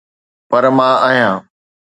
پر مان آهيان.